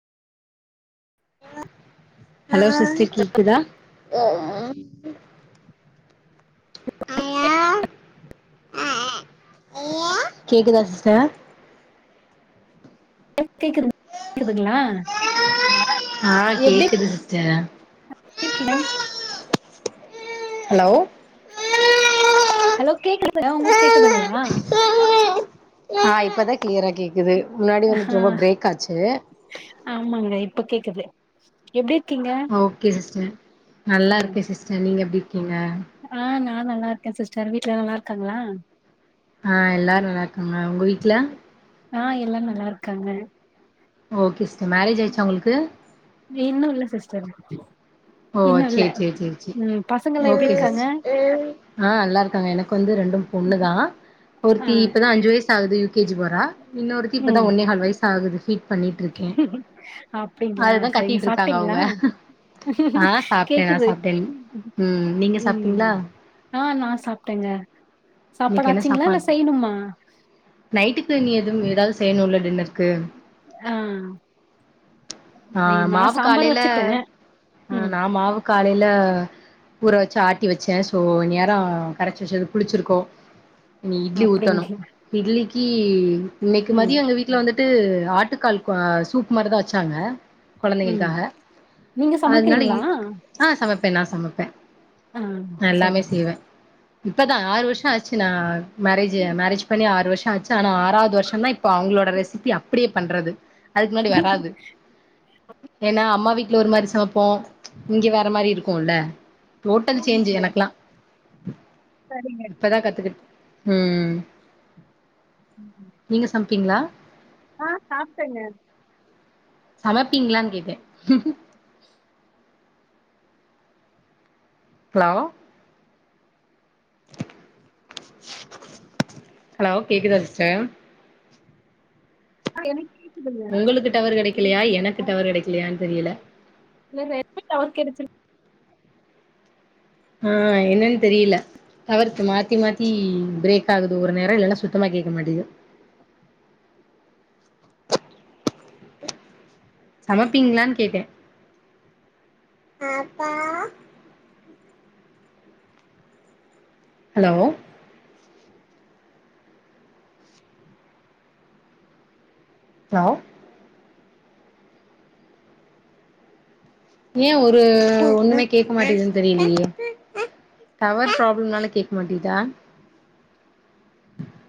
hello sister கேக்குதா கேக்குதா sister ஆ கேக்குது கேக்குதுங்களா ஆ கேக்குது சிஸ்டர் ஆ கேக்கல ஹலோ ஹலோ கேக்குதுங்க உங்களுக்கு கேக்குதுங்களா ஆ இப்பதா க்ளியரா கேக்குது முன்னாடி ஆ வந்துட்டு ரொம்ப பிரேக் ஆச்சு ஆமாங்க இப்ப கேக்குது எப்டி இருக்கீங்க ஓகே சிஸ்டர் நல்லா ஆ இருக்கே சிஸ்டர் நீங்க எப்டி இருக்கீங்க ஆ நா நல்லா இருக்கே சிஸ்டர் வீட்ல எல்லாரு நல்லா ருக்காங்களா ஆ எல்லாரு நல்லா இருக்காங்க உங்க வீட்ல ஆ எல்லாரு நல்லா இருக்காங்க ஓகே சிஸ்டர் மேரேஜ் ஆயிருச்சா உங்களுக்கு இ இன்னு இல்ல சிஸ்டர் ஓ இன்னு இல்ல சேரி சேரி சேரி சேரி ம் பசங்கல்லா எப்டி ஓகே இருக்காங்க சிஸ் ஆ நல்லா இருக்காங்க எனக்கு வந்து ரெண்டு பொண்ணு தா ஆ ஒருத்தி இப்பதா அஞ்சு வயசு ஆகுது யூ கே ஜி போறா இன்னொருத்தி இப்பதா ம் ஒன்னே கால் வயசு ஆகுது ஃபீட் பண்ணிட்டு ருக்கே அப்டிங்களா அதுதா சரிங்க கத்திட்டு இருக்காங்க சாப்ட்டீங்களா அவுங்க ஆ சாப்ட்டே நா கேக்குது சாப்ட்டே ம் நீங்க சாப்ட்டீங்களா ம் ஆ நா சாப்ட்டேங்க சாப்பாடு இன்னைக்கி என்ன ஆச்சுங்களா இல்ல சாப்பாடு செய்யணுமா நைட்டுக்கு நீ எதும் எதாவது செய்யணுல டின்னருக்கு ஆ ஆ நா மாவு சாம்பார் காலேல வச்சுட்டே ஆ ம் நா மாவு காலேல ஊற வச்சு ஆட்டி வச்சே சோ இந்நேரோ கரச்சு வச்சது புளிச்சிருக்கு நீ இட்லி ஊத்தணு அப்டிங்க இட்லிக்கி இன்னைக்கி ம் மதியோ எங்க வீ ட்ல வந்துட்டு ஆட்டுக்கால் கொ சூப் மாரி தா வச்சாங்க ம் கொழந்தைகளுக்காக நீங்க அதனால இ சமைக்கிறீங்களா ஆ சமைப்பே நா சமைப்பே ஆ ந சரி எல்லாமே செய்வே இப்பதா ஆறு வருஷோ ஆச் சுனா நா மேரேஜ் மேரேஜ் பண்ணி ஆறு வருஷோ ஆச்சு தானா ஆனும் ஆறாவது வருஷம் தானா ஆறாது வர்ஷ இப்போ அவுங்களோட ரெசிபி அப்டியே பண்றது அதுக்கு முன்னாடி வராது ஏனா அம்மா வீட்ல ஒரு மாரி சமப்போ இங்க வேற மாரி இருக்குல டோட்டல் சேஞ்ச் ஆமாங்க எனக்கெல்லா சரிங்க இப்பதா கத்துக்கிட்டு ம் ம் ஹு நீங்க சம்ப்பீங்ளா ஆ சாப்டங்க சமப்பீங்லான் கேட்டே ஹலோ ஹலோ கேக்குதா சிஸ்ட அ எனி உங்களுக்கு டவர் கெடக்கலையா எனக்கு டவர் கெடக்கலையான் தெரியல [unintelligible] எப்ப டவர் கெடச்சிர்க் அ அ என்னன் தெரியில்ல தவர்க்கு மாத்தி மாத்தி பிரேக் ஆகுது ஒரு நேரோ இல்லன்னா சுத்தமா கேக்க மாட்டேது சமப்பீங்ளான் கேட்டே ஆப்பா ஹலோ லோ ஏ ஒரு ஒன்னுமே கேக்க மாட்டேதுன் தெரியிலியே டவர் ப்ராப்ளம்னால கேக்க மாட்டிதா